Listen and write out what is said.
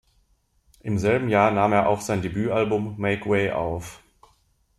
Im selben Jahr nahm er auch sein Debütalbum "Make Way" auf.